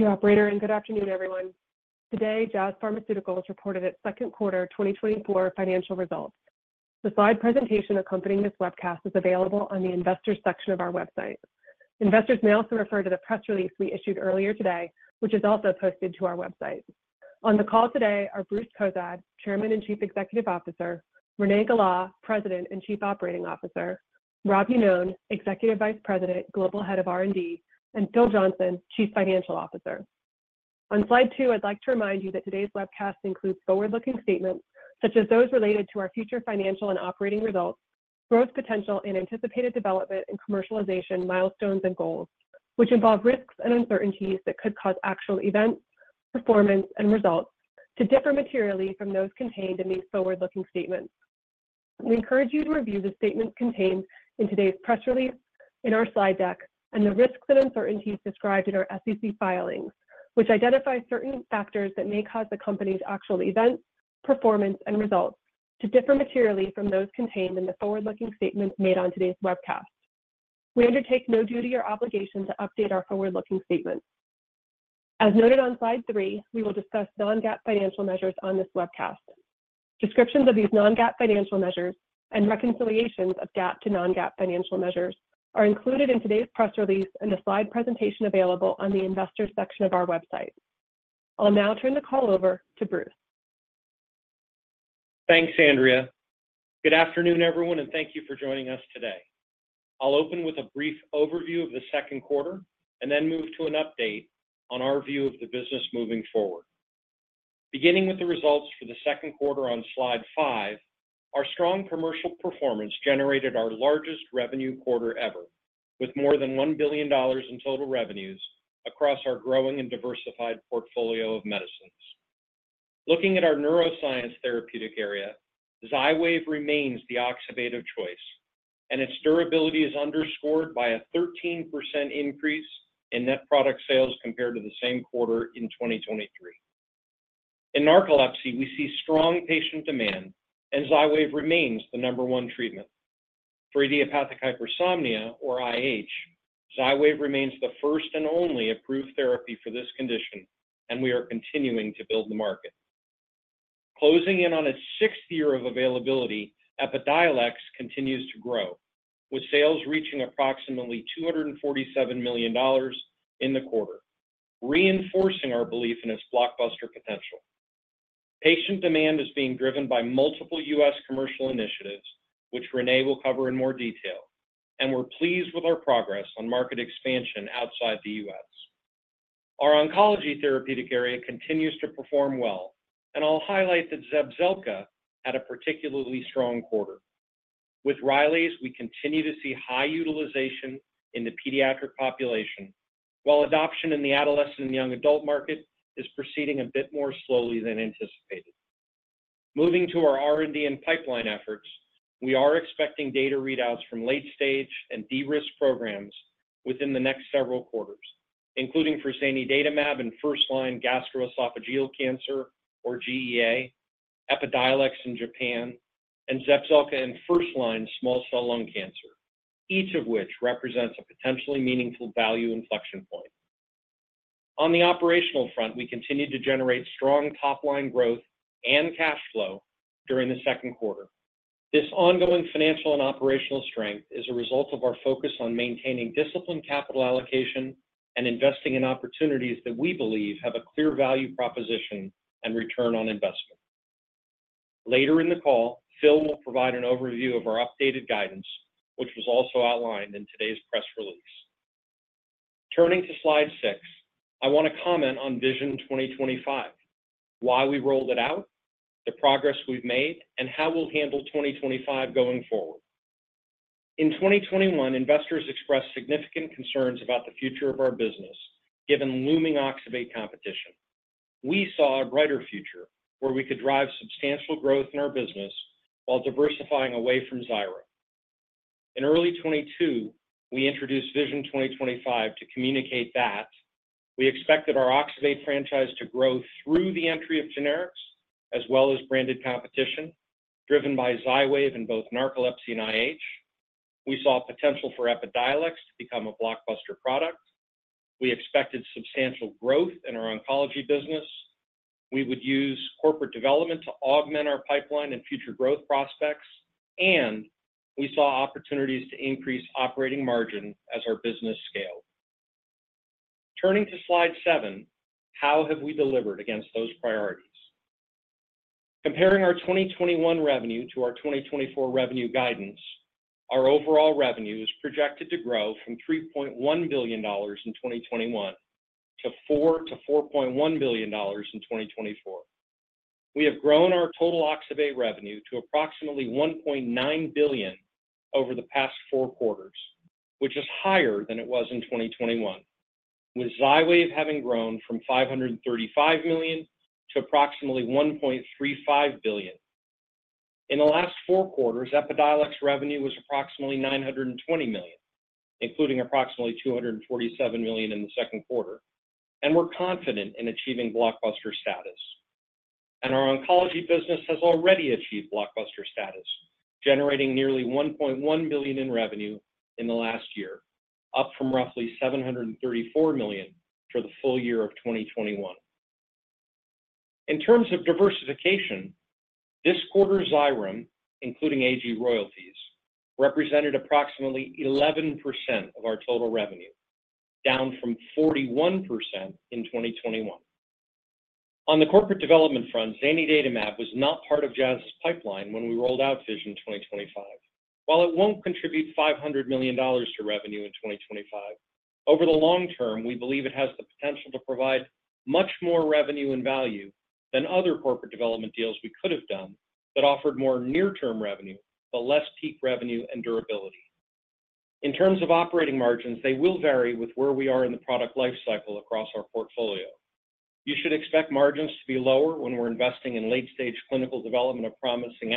Thank you, Operator, and good afternoon, everyone. Today, Jazz Pharmaceuticals reported its Q2 2024 financial results. The slide presentation accompanying this webcast is available on the Investors section of our website. Investors may also refer to the press release we issued earlier today, which is also posted to our website. On the call today are Bruce Cozadd, Chairman and Chief Executive Officer; Renee Gala, President and Chief Operating Officer; Rob Iannone, Executive Vice President, Global Head of R&D; and Phil Johnson, Chief Financial Officer. On slide two, I'd like to remind you that today's webcast includes forward-looking statements such as those related to our future financial and operating results, growth potential, and anticipated development and commercialization milestones and goals, which involve risks and uncertainties that could cause actual events, performance, and results to differ materially from those contained in these forward-looking statements. We encourage you to review the statements contained in today's press release, in our slide deck, and the risks and uncertainties described in our SEC filings, which identify certain factors that may cause the company's actual events, performance, and results to differ materially from those contained in the forward-looking statements made on today's webcast. We undertake no duty or obligation to update our forward-looking statements. As noted on slide three, we will discuss non-GAAP financial measures on this webcast. Descriptions of these non-GAAP financial measures and reconciliations of GAAP to non-GAAP financial measures are included in today's press release and the slide presentation available on the Investors section of our website. I'll now turn the call over to Bruce. Thanks, Andrea. Good afternoon, everyone, and thank you for joining us today. I'll open with a brief overview of the Q2 and then move to an update on our view of the business moving forward. Beginning with the results for the Q2 on slide five, our strong commercial performance generated our largest revenue quarter ever, with more than $1 billion in total revenues across our growing and diversified portfolio of medicines. Looking at our neuroscience therapeutic area, Xywav remains the oxybate choice, and its durability is underscored by a 13% increase in net product sales compared to the same quarter in 2023. In narcolepsy, we see strong patient demand, and Xywav remains the number one treatment. For idiopathic hypersomnia, or IH, Xywav remains the first and only approved therapy for this condition, and we are continuing to build the market. Closing in on its sixth year of availability, Epidiolex continues to grow, with sales reaching approximately $247 million in the quarter, reinforcing our belief in its blockbuster potential. Patient demand is being driven by multiple U.S. commercial initiatives, which Renee will cover in more detail, and we're pleased with our progress on market expansion outside the U.S. Our oncology therapeutic area continues to perform well, and I'll highlight that Zepzelca had a particularly strong quarter. With Rylaze, we continue to see high utilization in the pediatric population, while adoption in the adolescent and young adult market is proceeding a bit more slowly than anticipated. Moving to our R&D and pipeline efforts, we are expecting data readouts from late-stage and de-risk programs within the next several quarters, including for zanidatamab in first-line gastroesophageal cancer, or GEA, Epidiolex in Japan, and Zepzelca in first-line small cell lung cancer, each of which represents a potentially meaningful value inflection point. On the operational front, we continue to generate strong top-line growth and cash flow during the Q2. This ongoing financial and operational strength is a result of our focus on maintaining disciplined capital allocation and investing in opportunities that we believe have a clear value proposition and return on investment. Later in the call, Phil will provide an overview of our updated guidance, which was also outlined in today's press release. Turning to slide six, I want to comment on Vision 2025, why we rolled it out, the progress we've made, and how we'll handle 2025 going forward. In 2021, investors expressed significant concerns about the future of our business given looming oxybate competition. We saw a brighter future where we could drive substantial growth in our business while diversifying away from Xyrem. In early 2022, we introduced Vision 2025 to communicate that we expected our oxybate franchise to grow through the entry of generics as well as branded competition driven by Xywav in both narcolepsy and IH. We saw potential for Epidiolex to become a blockbuster product. We expected substantial growth in our oncology business. We would use corporate development to augment our pipeline and future growth prospects, and we saw opportunities to increase operating margin as our business scaled. Turning to slide seven, how have we delivered against those priorities? Comparing our 2021 revenue to our 2024 revenue guidance, our overall revenue is projected to grow from $3.1 billion in 2021 to $4 to 4.1 billion in 2024. We have grown our total oxybate revenue to approximately $1.9 billion over the past four quarters, which is higher than it was in 2021, with Xywav having grown from $535 million to approximately $1.35 billion. In the last four quarters, Epidiolex revenue was approximately $920 million, including approximately $247 million in the Q2, and we're confident in achieving blockbuster status. Our oncology business has already achieved blockbuster status, generating nearly $1.1 billion in revenue in the last year, up from roughly $734 million for the full year of 2021. In terms of diversification, this quarter Xyrem, including AG royalties, represented approximately 11% of our total revenue, down from 41% in 2021. On the corporate development front, zanidatamab was not part of Jazz's pipeline when we rolled out Vision 2025. While it won't contribute $500 million to revenue in 2025, over the long term, we believe it has the potential to provide much more revenue and value than other corporate development deals we could have done that offered more near-term revenue, but less peak revenue and durability. In terms of operating margins, they will vary with where we are in the product lifecycle across our portfolio. You should expect margins to be lower when we're investing in late-stage clinical development of promising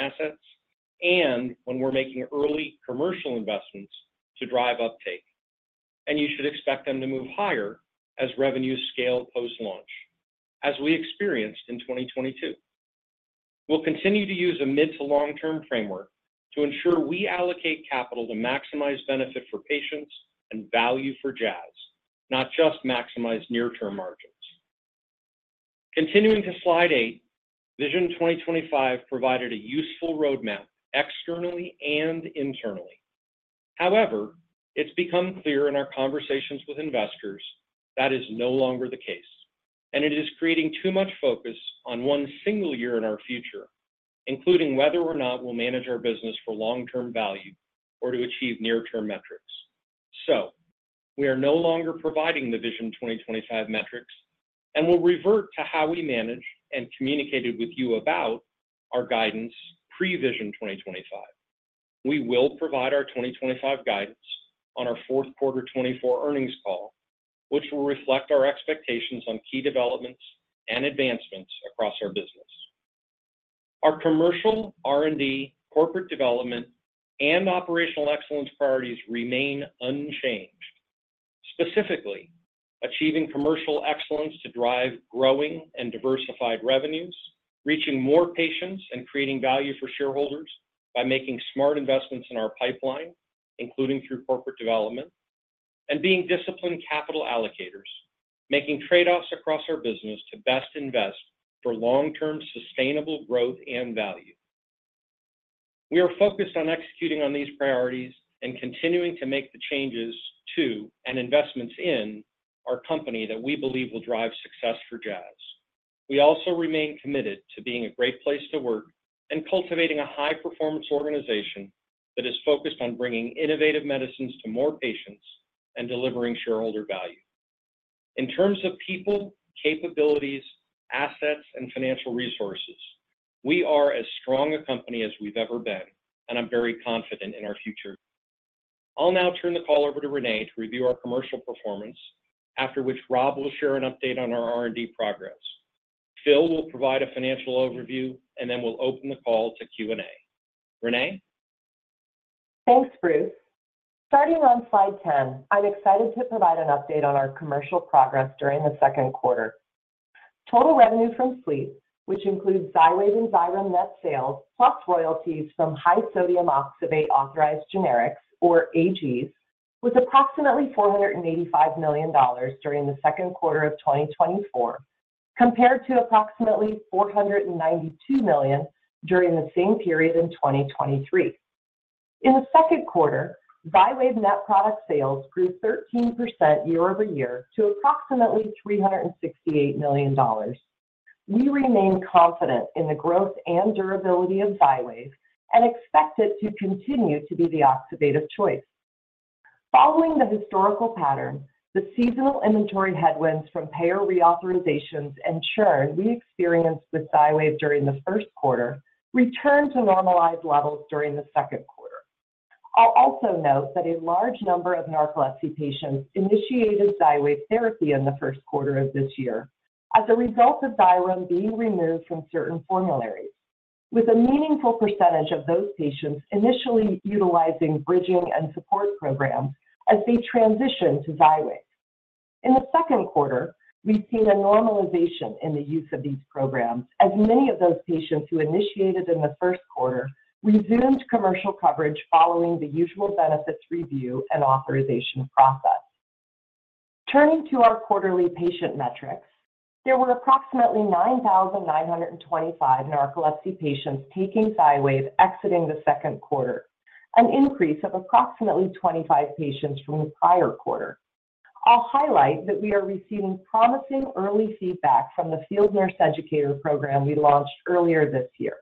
assets and when we're making early commercial investments to drive uptake. You should expect them to move higher as revenues scale post-launch, as we experienced in 2022. We'll continue to use a mid-to-long-term framework to ensure we allocate capital to maximize benefit for patients and value for Jazz, not just maximize near-term margins. Continuing to slide eight, Vision 2025 provided a useful roadmap externally and internally. However, it's become clear in our conversations with investors that is no longer the case, and it is creating too much focus on one single year in our future, including whether or not we'll manage our business for long-term value or to achieve near-term metrics. We are no longer providing the Vision 2025 metrics, and we'll revert to how we managed and communicated with you about our guidance pre-Vision 2025. We will provide our 2025 guidance on our Q4 2024 earnings call, which will reflect our expectations on key developments and advancements across our business. Our commercial, R&D, corporate development, and operational excellence priorities remain unchanged. Specifically, achieving commercial excellence to drive growing and diversified revenues, reaching more patients, and creating value for shareholders by making smart investments in our pipeline, including through corporate development, and being disciplined capital allocators, making trade-offs across our business to best invest for long-term sustainable growth and value. We are focused on executing on these priorities and continuing to make the changes to and investments in our company that we believe will drive success for Jazz. We also remain committed to being a great place to work and cultivating a high-performance organization that is focused on bringing innovative medicines to more patients and delivering shareholder value. In terms of people, capabilities, assets, and financial resources, we are as strong a company as we've ever been, and I'm very confident in our future. I'll now turn the call over to Renee to review our commercial performance, after which Rob will share an update on our R&D progress. Phil will provide a financial overview, and then we'll open the call to Q&A. Renee? Thanks, Bruce. Starting on slide 10, I'm excited to provide an update on our commercial progress during the Q2. Total revenue from SLEEP, which includes Xywav and Xyrem net sales, plus royalties from high-sodium oxybate authorized generics, or AGs, was approximately $485 million during the Q2 of 2024, compared to approximately $492 million during the same period in 2023. In the Q2, Xywav net product sales grew 13% year-over-year to approximately $368 million. We remain confident in the growth and durability of Xywav and expect it to continue to be the oxybate choice. Following the historical pattern, the seasonal inventory headwinds from payer reauthorizations and churn we experienced with Xywav during the Q1 returned to normalized levels during the Q2. I'll also note that a large number of narcolepsy patients initiated Xywav therapy in the Q1 of this year as a result of Xyrem being removed from certain formularies, with a meaningful percentage of those patients initially utilizing bridging and support programs as they transitioned to Xywav. In the Q2, we've seen a normalization in the use of these programs, as many of those patients who initiated in the Q1 resumed commercial coverage following the usual benefits review and authorization process. Turning to our quarterly patient metrics, there were approximately 9,925 narcolepsy patients taking Xywav exiting the Q2, an increase of approximately 25 patients from the prior quarter. I'll highlight that we are receiving promising early feedback from the Field Nurse Educator program we launched earlier this year.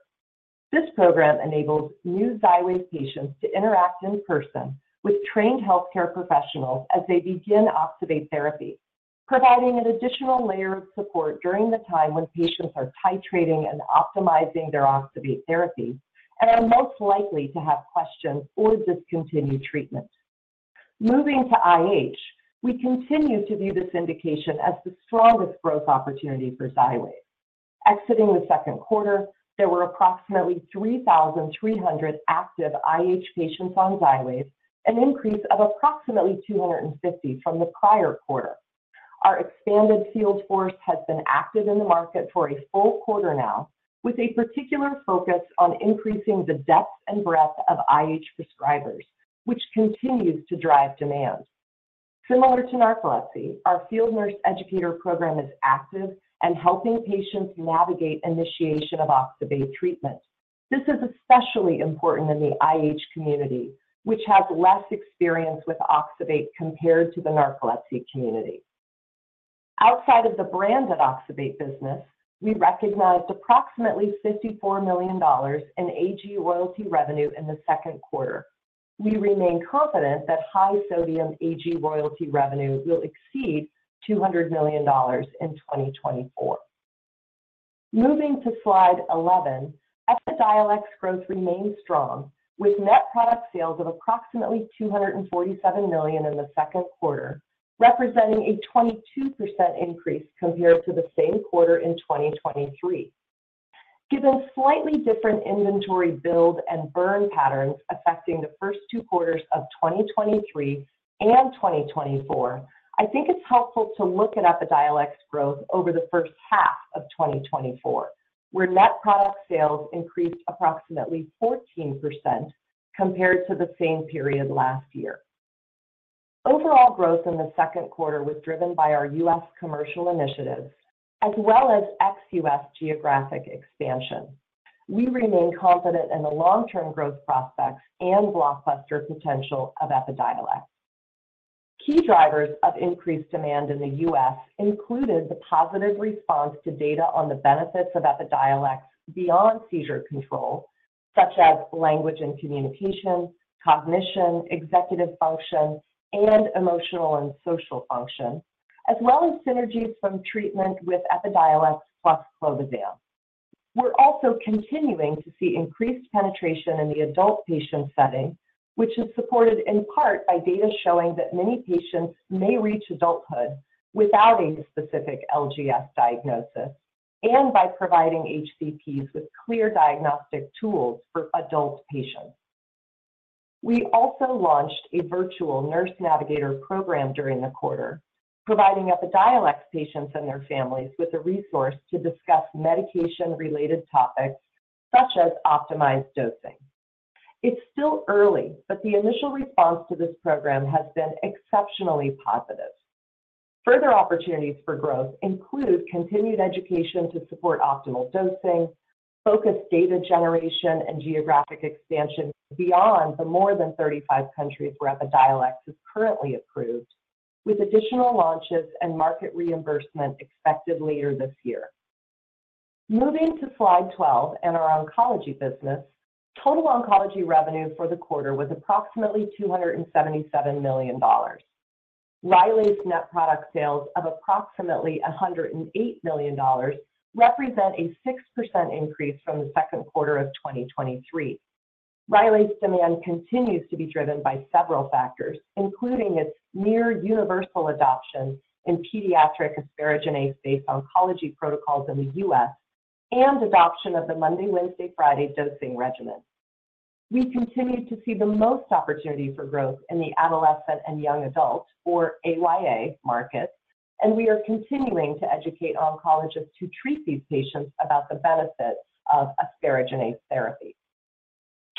This program enables new Xywav patients to interact in person with trained healthcare professionals as they begin oxybate therapy, providing an additional layer of support during the time when patients are titrating and optimizing their oxybate therapy and are most likely to have questions or discontinue treatment. Moving to IH, we continue to view this indication as the strongest growth opportunity for Xywav. Exiting the Q2, there were approximately 3,300 active IH patients on Xywav, an increase of approximately 250 from the prior quarter. Our expanded field force has been active in the market for a full quarter now, with a particular focus on increasing the depth and breadth of IH prescribers, which continues to drive demand. Similar to narcolepsy, our Field Nurse Educator program is active and helping patients navigate initiation of oxybate treatment. This is especially important in the IH community, which has less experience with oxybate compared to the narcolepsy community. Outside of the branded oxybate business, we recognized approximately $54 million in AG royalty revenue in the Q2. We remain confident that high-sodium AG royalty revenue will exceed $200 million in 2024. Moving to slide 11, Epidiolex growth remains strong, with net product sales of approximately $247 million in the Q2, representing a 22% increase compared to the same quarter in 2023. Given slightly different inventory build and burn patterns affecting the first two quarters of 2023 and 2024, I think it's helpful to look at Epidiolex growth over the first half of 2024, where net product sales increased approximately 14% compared to the same period last year. Overall growth in the Q2 was driven by our U.S. commercial initiatives, as well as ex-U.S. geographic expansion. We remain confident in the long-term growth prospects and blockbuster potential of Epidiolex. Key drivers of increased demand in the U.S. included the positive response to data on the benefits of Epidiolex beyond seizure control, such as language and communication, cognition, executive function, and emotional and social function, as well as synergies from treatment with Epidiolex plus clobazam. We're also continuing to see increased penetration in the adult patient setting, which is supported in part by data showing that many patients may reach adulthood without a specific LGS diagnosis and by providing HCPs with clear diagnostic tools for adult patients. We also launched a virtual nurse navigator program during the quarter, providing Epidiolex patients and their families with a resource to discuss medication-related topics such as optimized dosing. It's still early, but the initial response to this program has been exceptionally positive. Further opportunities for growth include continued education to support optimal dosing, focused data generation, and geographic expansion beyond the more than 35 countries where Epidiolex is currently approved, with additional launches and market reimbursement expected later this year. Moving to slide 12 and our oncology business, total oncology revenue for the quarter was approximately $277 million. Rylaze, as net product sales of approximately $108 million represent a 6% increase from the Q2 of 2023. Rylaze, as demand continues to be driven by several factors, including its near-universal adoption in pediatric asparaginase-based oncology protocols in the U.S. and adoption of the Monday, Wednesday, Friday dosing regimen. We continue to see the most opportunity for growth in the adolescent and young adult, or AYA, markets, and we are continuing to educate oncologists to treat these patients about the benefits of asparaginase therapy.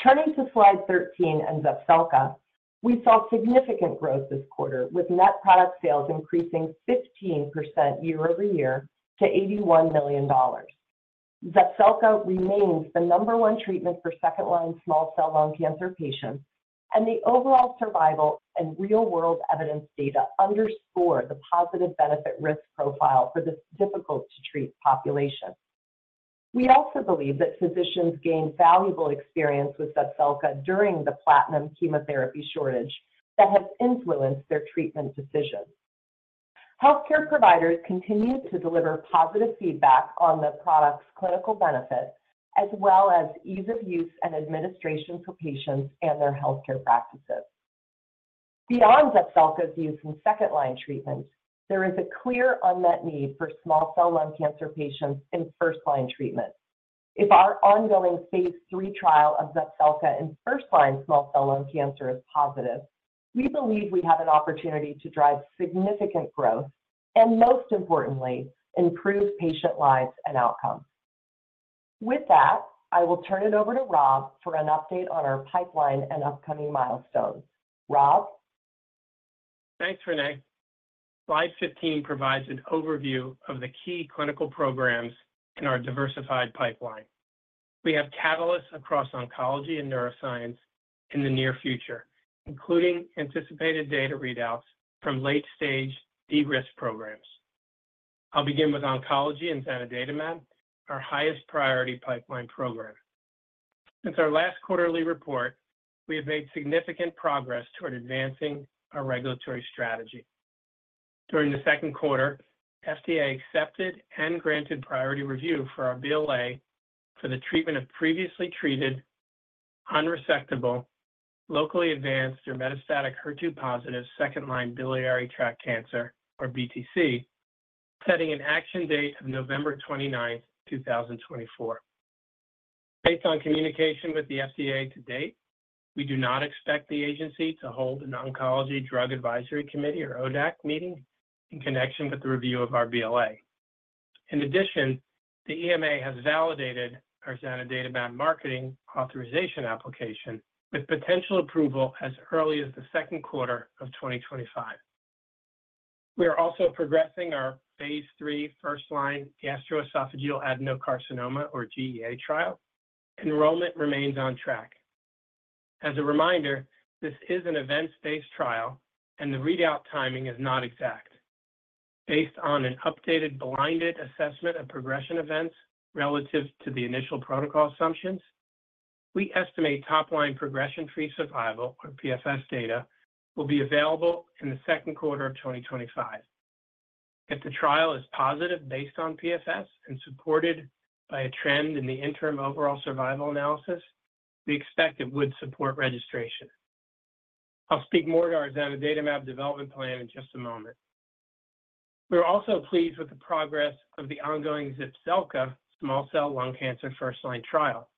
Turning to slide 13 and Zepzelca, we saw significant growth this quarter, with net product sales increasing 15% year-over-year to $81 million. Zepzelca remains the number one treatment for second-line small cell lung cancer patients, and the overall survival and real-world evidence data underscore the positive benefit-risk profile for this difficult-to-treat population. We also believe that physicians gained valuable experience with Zepzelca during the platinum chemotherapy shortage that has influenced their treatment decisions. Healthcare providers continue to deliver positive feedback on the product's clinical benefit, as well as ease of use and administration for patients and their healthcare practices. Beyond Zepzelca's use in second-line treatments, there is a clear unmet need for small cell lung cancer patients in first-line treatment. If our ongoing phase 3 trial of Zepzelca in first-line small cell lung cancer is positive, we believe we have an opportunity to drive significant growth and, most importantly, improve patient lives and outcomes. With that, I will turn it over to Rob for an update on our pipeline and upcoming milestones. Rob? Thanks, Renee. Slide 15 provides an overview of the key clinical programs in our diversified pipeline. We have catalysts across oncology and neuroscience in the near future, including anticipated data readouts from late-stage de-risked programs. I'll begin with oncology and zanidatamab, our highest priority pipeline program. Since our last quarterly report, we have made significant progress toward advancing our regulatory strategy. During the Q2, FDA accepted and granted priority review for our BLA for the treatment of previously treated, unresectable, locally advanced, or metastatic HER2-positive second-line biliary tract cancer, or BTC, setting an action date of November 29, 2024. Based on communication with the FDA to date, we do not expect the agency to hold an oncology drug advisory committee, or ODAC, meeting in connection with the review of our BLA. In addition, the EMA has validated our zanidatamab marketing authorization application with potential approval as early as the Q2 of 2025. We are also progressing our phase 3 first-line gastroesophageal adenocarcinoma, or GEA, trial. Enrollment remains on track. As a reminder, this is an events-based trial, and the readout timing is not exact. Based on an updated blinded assessment of progression events relative to the initial protocol assumptions, we estimate top-line progression-free survival, or PFS, data will be available in the Q2 of 2025. If the trial is positive based on PFS and supported by a trend in the interim overall survival analysis, we expect it would support registration. I'll speak more to our zanidatamab development plan in just a moment. We're also pleased with the progress of the ongoing Zepzelca small cell lung cancer first-line trial.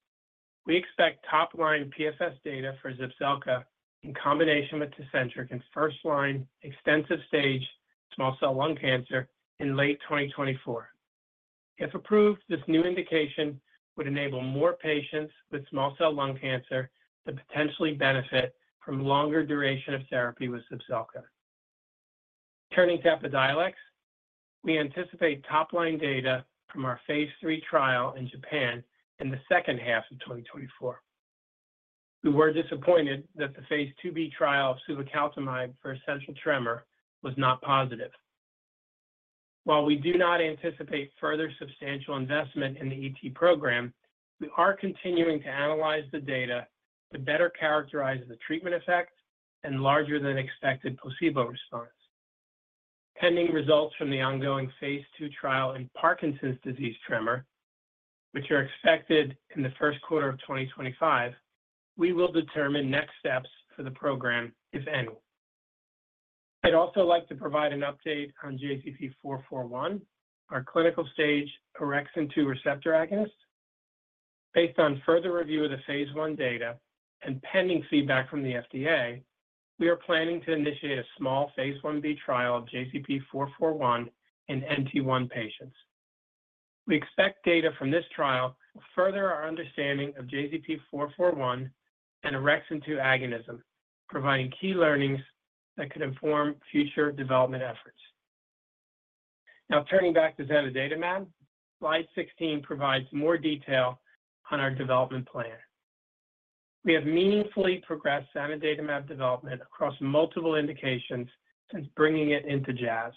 We expect top-line PFS data for Zepzelca in combination with Tecentriq in first-line extensive stage small cell lung cancer in late 2024. If approved, this new indication would enable more patients with small cell lung cancer to potentially benefit from longer duration of therapy with Zepzelca. Turning to Epidiolex, we anticipate top-line data from our phase 3 trial in Japan in the second half of 2024. We were disappointed that the phase 2B trial of suvecaltamide for essential tremor was not positive. While we do not anticipate further substantial investment in the ET program, we are continuing to analyze the data to better characterize the treatment effect and larger-than-expected placebo response. Pending results from the ongoing phase 2 trial in Parkinson's disease tremor, which are expected in the Q1 of 2025, we will determine next steps for the program, if any. I'd also like to provide an update on JZP441, our clinical stage orexin-2 receptor agonist. Based on further review of the phase 1 data and pending feedback from the FDA, we are planning to initiate a small phase 1b trial of JZP441 in NT1 patients. We expect data from this trial to further our understanding of JZP441 and orexin-2 agonism, providing key learnings that could inform future development efforts. Now, turning back to zanidatamab, slide 16 provides more detail on our development plan. We have meaningfully progressed zanidatamab development across multiple indications since bringing it into Jazz,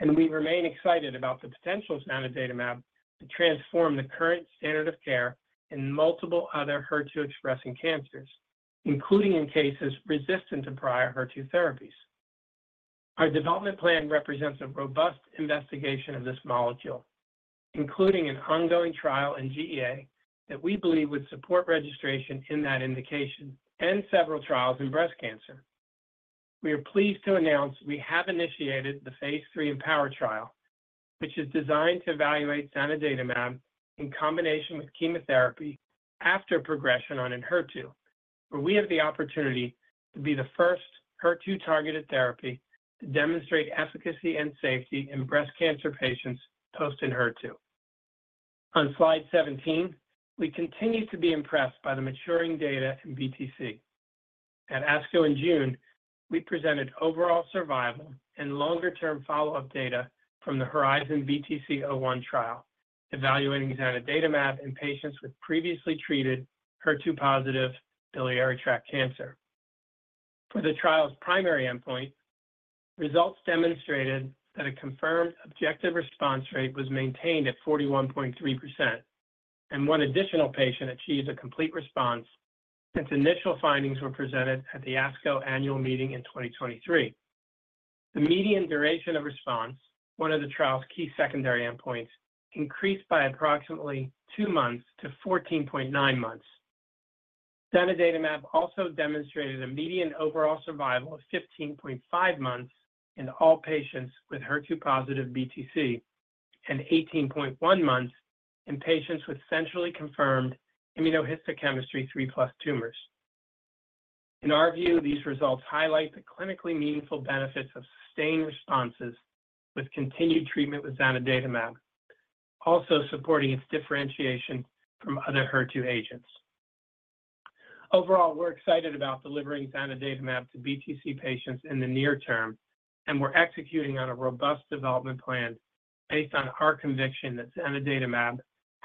and we remain excited about the potential of zanidatamab to transform the current standard of care in multiple other HER2-expressing cancers, including in cases resistant to prior HER2 therapies. Our development plan represents a robust investigation of this molecule, including an ongoing trial in GEA that we believe would support registration in that indication and several trials in breast cancer. We are pleased to announce we have initiated the phase III EMPOWER trial, which is designed to evaluate zanidatamab in combination with chemotherapy after progression on Enhertu, where we have the opportunity to be the first HER2-targeted therapy to demonstrate efficacy and safety in breast cancer patients post Enhertu. On slide 17, we continue to be impressed by the maturing data in BTC. At ASCO in June, we presented overall survival and longer-term follow-up data from the HERIZON-BTC-01 trial, evaluating zanidatamab in patients with previously treated HER2-positive biliary tract cancer. For the trial's primary endpoint, results demonstrated that a confirmed objective response rate was maintained at 41.3%, and one additional patient achieved a complete response since initial findings were presented at the ASCO annual meeting in 2023. The median duration of response, one of the trial's key secondary endpoints, increased by approximately two months to 14.9 months. Zanidatamab also demonstrated a median overall survival of 15.5 months in all patients with HER2-positive BTC and 18.1 months in patients with centrally confirmed immunohistochemistry 3+ tumors. In our view, these results highlight the clinically meaningful benefits of sustained responses with continued treatment with zanidatamab, also supporting its differentiation from other HER2 agents. Overall, we're excited about delivering zanidatamab to BTC patients in the near term, and we're executing on a robust development plan based on our conviction that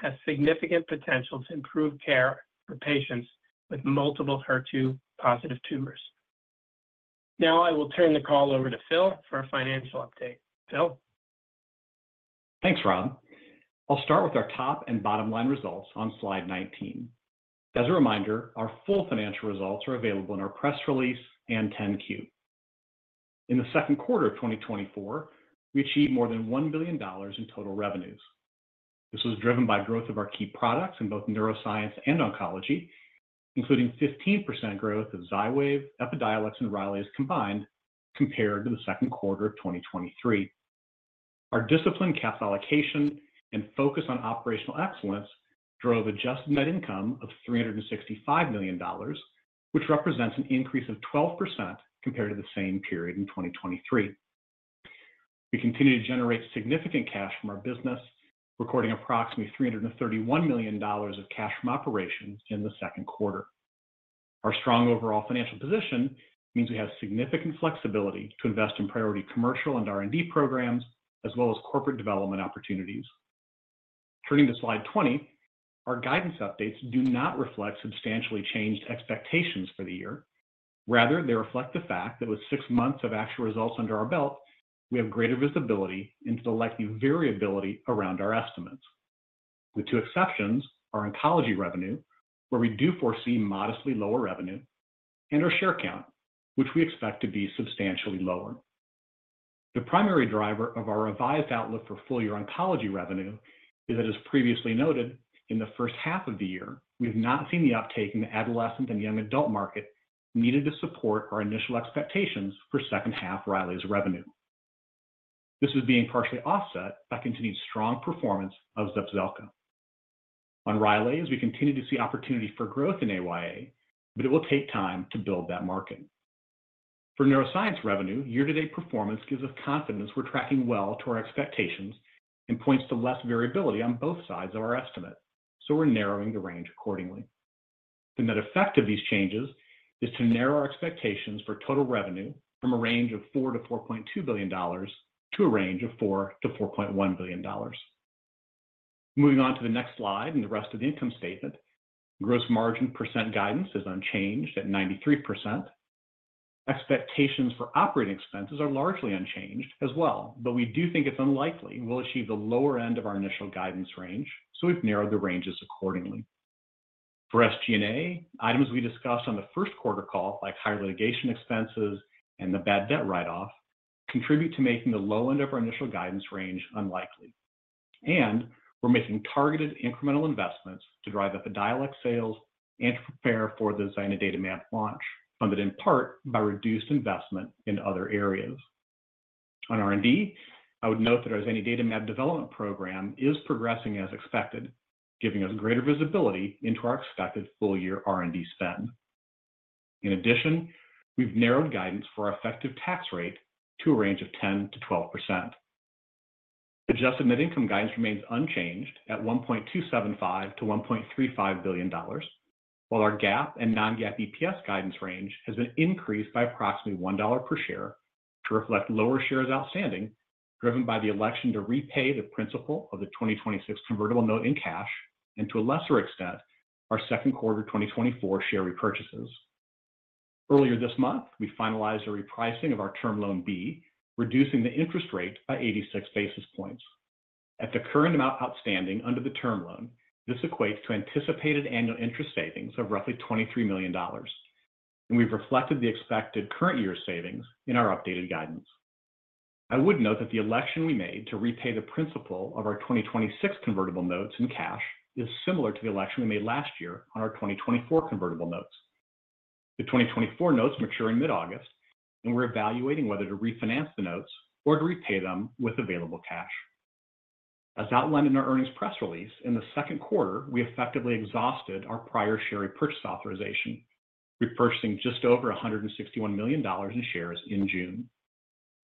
zanidatamab has significant potential to improve care for patients with multiple HER2-positive tumors. Now, I will turn the call over to Phil for a financial update. Phil? Thanks, Rob. I'll start with our top and bottom-line results on slide 19. As a reminder, our full financial results are available in our press release and 10-Q. In the Q2 of 2024, we achieved more than $1 billion in total revenues. This was driven by growth of our key products in both neuroscience and oncology, including 15% growth of Xywav, Epidiolex, and Rylaze combined compared to the Q2 of 2023. Our disciplined capital allocation and focus on operational excellence drove Adjusted Net Income of $365 million, which represents an increase of 12% compared to the same period in 2023. We continue to generate significant cash from our business, recording approximately $331 million of cash from operations in the Q2. Our strong overall financial position means we have significant flexibility to invest in priority commercial and R&D programs, as well as corporate development opportunities. Turning to Slide 20, our guidance updates do not reflect substantially changed expectations for the year. Rather, they reflect the fact that with six months of actual results under our belt, we have greater visibility into the likely variability around our estimates. With two exceptions, our oncology revenue, where we do foresee modestly lower revenue, and our share count, which we expect to be substantially lower. The primary driver of our revised outlook for full-year oncology revenue is that, as previously noted, in the first half of the year, we have not seen the uptake in the adolescent and young adult market needed to support our initial expectations for second-half Rylaze revenue. This is being partially offset by continued strong performance of Zepzelca. On Rylaze, we continue to see opportunity for growth in AYA, but it will take time to build that market. For neuroscience revenue, year-to-date performance gives us confidence we're tracking well to our expectations and points to less variability on both sides of our estimate, so we're narrowing the range accordingly. The net effect of these changes is to narrow our expectations for total revenue from a range of $4-$4.2 billion to a range of $4-$4.1 billion. Moving on to the next slide and the rest of the income statement, gross margin percent guidance is unchanged at 93%. Expectations for operating expenses are largely unchanged as well, but we do think it's unlikely we'll achieve the lower end of our initial guidance range, so we've narrowed the ranges accordingly. For SG&A, items we discussed on the Q1 call, like higher litigation expenses and the bad debt write-off, contribute to making the low end of our initial guidance range unlikely. We're making targeted incremental investments to drive Epidiolex sales and prepare for the zanidatamab launch, funded in part by reduced investment in other areas. On R&D, I would note that our zanidatamab development program is progressing as expected, giving us greater visibility into our expected full-year R&D spend. In addition, we've narrowed guidance for our effective tax rate to a range of 10% to 12%. Adjusted net income guidance remains unchanged at $1.275 to 1.35 billion, while our GAAP and non-GAAP EPS guidance range has been increased by approximately $1 per share to reflect lower shares outstanding, driven by the election to repay the principal of the 2026 convertible note in cash and, to a lesser extent, our Q2 2024 share repurchases. Earlier this month, we finalized a repricing of our term loan B, reducing the interest rate by 86 basis points. At the current amount outstanding under the term loan, this equates to anticipated annual interest savings of roughly $23 million, and we've reflected the expected current year savings in our updated guidance. I would note that the election we made to repay the principal of our 2026 convertible notes in cash is similar to the election we made last year on our 2024 convertible notes. The 2024 notes mature in mid-August, and we're evaluating whether to refinance the notes or to repay them with available cash. As outlined in our earnings press release, in the Q2, we effectively exhausted our prior share repurchase authorization, repurchasing just over $161 million in shares in June.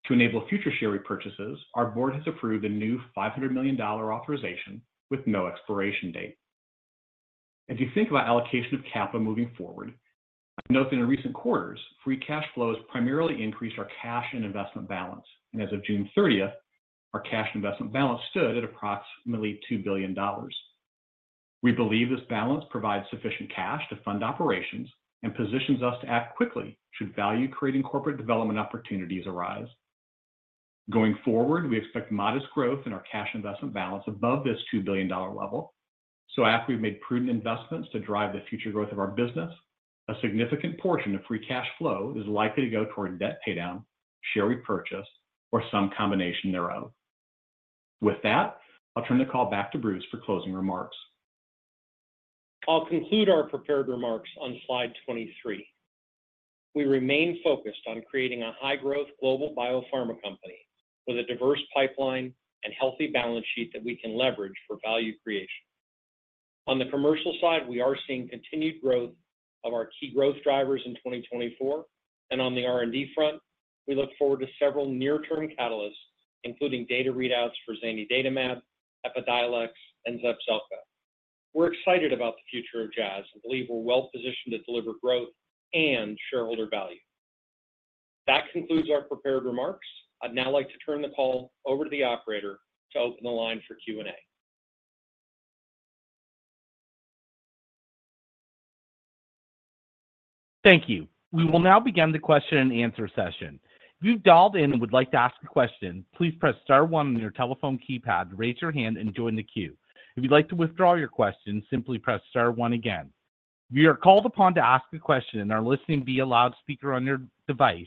To enable future share repurchases, our board has approved a new $500 million authorization with no expiration date. As you think about allocation of capital moving forward, I note that in recent quarters, free cash flows primarily increased our cash and investment balance, and as of June 30, our cash and investment balance stood at approximately $2 billion. We believe this balance provides sufficient cash to fund operations and positions us to act quickly should value-creating corporate development opportunities arise. Going forward, we expect modest growth in our cash investment balance above this $2 billion level, so after we've made prudent investments to drive the future growth of our business, a significant portion of free cash flow is likely to go toward debt paydown, share repurchase, or some combination thereof. With that, I'll turn the call back to Bruce for closing remarks. I'll conclude our prepared remarks on slide 23. We remain focused on creating a high-growth global biopharma company with a diverse pipeline and healthy balance sheet that we can leverage for value creation. On the commercial side, we are seeing continued growth of our key growth drivers in 2024, and on the R&D front, we look forward to several near-term catalysts, including data readouts for zanidatamab, Epidiolex, and Zepzelca. We're excited about the future of Jazz and believe we're well-positioned to deliver growth and shareholder value. That concludes our prepared remarks. I'd now like to turn the call over to the operator to open the line for Q&A. Thank you. We will now begin the question-and-answer session. If you've dialed in and would like to ask a question, please press star one on your telephone keypad, raise your hand, and join the queue. If you'd like to withdraw your question, simply press star one again. When you're called upon to ask a question, and you're listening via loudspeaker on your device,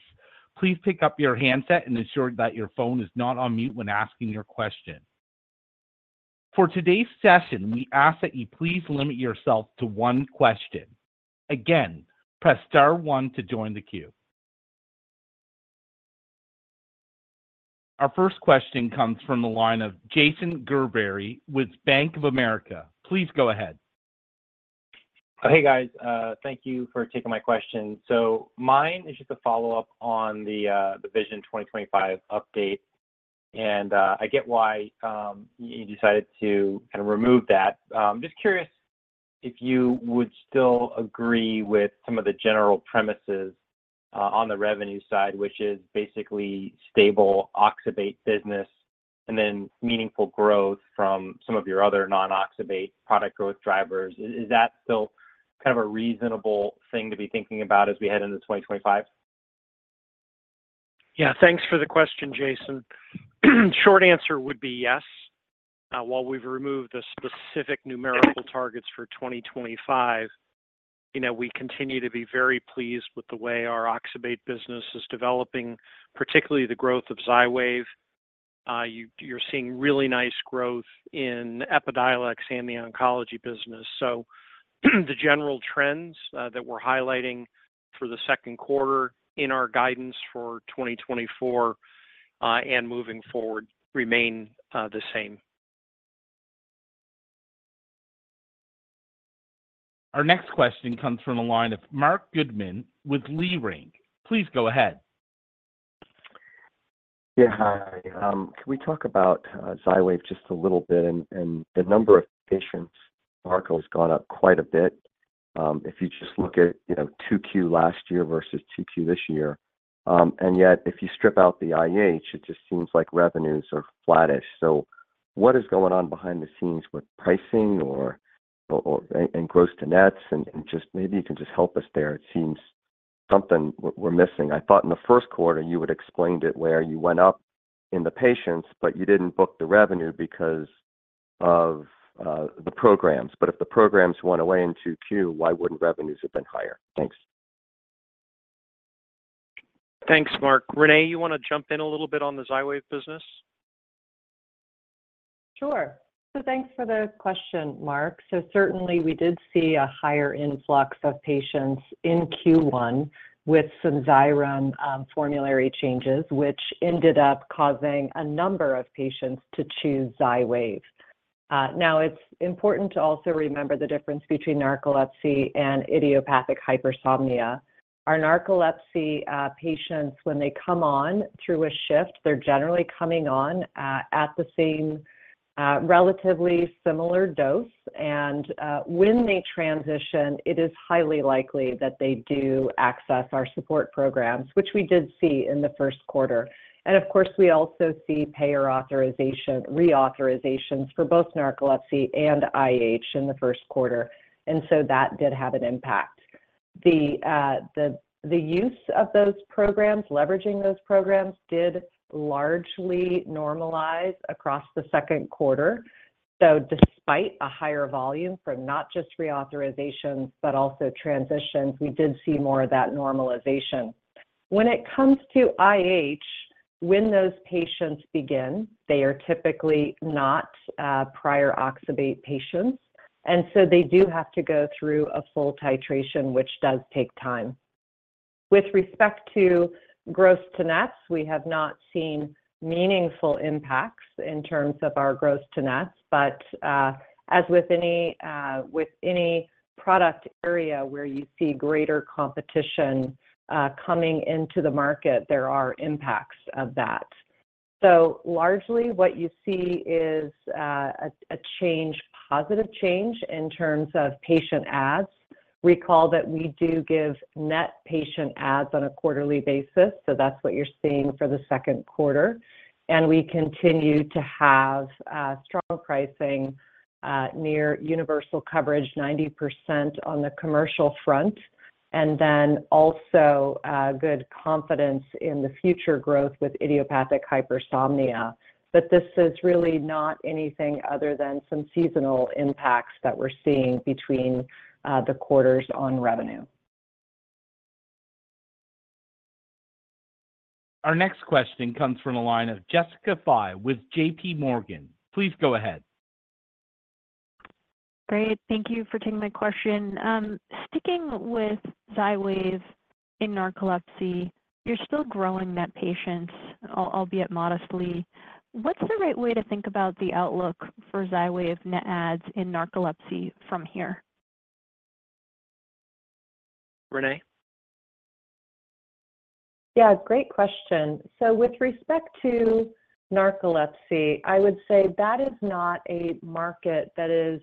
please pick up your handset and ensure that your phone is not on mute when asking your question. For today's session, we ask that you please limit yourself to one question. Again, press star one to join the queue. Our first question comes from the line of Jason Gerbery with Bank of America. Please go ahead. Hey, guys. Thank you for taking my question. So mine is just a follow-up on the Vision 2025 update, and I get why you decided to kind of remove that. I'm just curious if you would still agree with some of the general premises on the revenue side, which is basically stable oxybate business and then meaningful growth from some of your other non-oxybate product growth drivers. Is that still kind of a reasonable thing to be thinking about as we head into 2025? Yeah. Thanks for the question, Jason. Short answer would be yes. While we've removed the specific numerical targets for 2025, we continue to be very pleased with the way our oxybate business is developing, particularly the growth of Xywav. You're seeing really nice growth in Epidiolex and the oncology business. So the general trends that we're highlighting for the Q2 in our guidance for 2024 and moving forward remain the same. Our next question comes from the line of Marc Goodman with Leerink. Please go ahead. Yeah. Hi. Can we talk about Xywav just a little bit? And the number of patients on narcolepsy has gone up quite a bit if you just look at 2Q last year versus 2Q this year. And yet, if you strip out the IH, it just seems like revenues are flattish. So what is going on behind the scenes with pricing and gross to nets? And maybe you can just help us there. It seems something we're missing. I thought in the Q1 you had explained it where you went up in the patients, but you didn't book the revenue because of the programs. But if the programs went away in 2Q, why wouldn't revenues have been higher? Thanks. Thanks, Marc. Renee, you want to jump in a little bit on the Xywav business? Sure. So thanks for the question, Marc. So certainly, we did see a higher influx of patients in Q1 with some Xyrem formulary changes, which ended up causing a number of patients to choose Xywav. Now, it's important to also remember the difference between narcolepsy and idiopathic hypersomnia. Our narcolepsy patients, when they come on through a shift, they're generally coming on at the same relatively similar dose. And when they transition, it is highly likely that they do access our support programs, which we did see in the Q1. And of course, we also see payer reauthorizations for both narcolepsy and IH in the Q1, and so that did have an impact. The use of those programs, leveraging those programs, did largely normalize across the Q2. So despite a higher volume from not just reauthorizations but also transitions, we did see more of that normalization. When it comes to IH, when those patients begin, they are typically not prior Oxybate patients, and so they do have to go through a full titration, which does take time. With respect to gross to nets, we have not seen meaningful impacts in terms of our gross to nets, but as with any product area where you see greater competition coming into the market, there are impacts of that. So largely, what you see is a positive change in terms of patient adds. Recall that we do give net patient adds on a quarterly basis, so that's what you're seeing for the Q2. We continue to have strong pricing near universal coverage, 90% on the commercial front, and then also good confidence in the future growth with idiopathic hypersomnia. This is really not anything other than some seasonal impacts that we're seeing between the quarters on revenue. Our next question comes from the line of Jessica Fye with JPMorgan. Please go ahead. Great. Thank you for taking my question. Sticking with Xywav in narcolepsy, you're still growing net patients, albeit modestly. What's the right way to think about the outlook for Xywav net adds in narcolepsy from here? Renee? Yeah. Great question. So with respect to narcolepsy, I would say that is not a market that is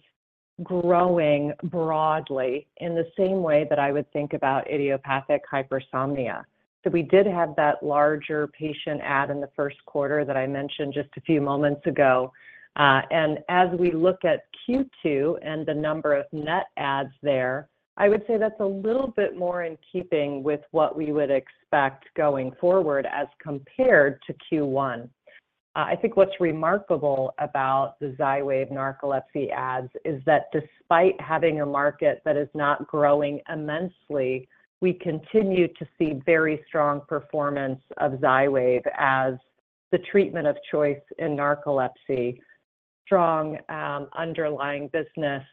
growing broadly in the same way that I would think about idiopathic hypersomnia. So we did have that larger patient add in the Q1 that I mentioned just a few moments ago. And as we look at Q2 and the number of net adds there, I would say that's a little bit more in keeping with what we would expect going forward as compared to Q1. I think what's remarkable about the Xywav narcolepsy adds is that despite having a market that is not growing immensely, we continue to see very strong performance of Xywav as the treatment of choice in narcolepsy, strong underlying business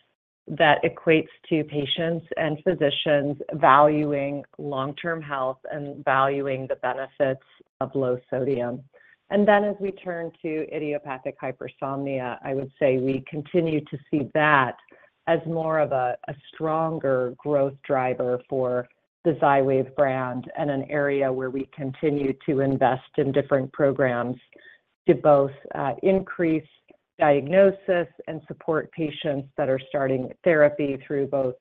that equates to patients and physicians valuing long-term health and valuing the benefits of low sodium. And then as we turn to idiopathic hypersomnia, I would say we continue to see that as more of a stronger growth driver for the Xywav brand and an area where we continue to invest in different programs to both increase diagnosis and support patients that are starting therapy through both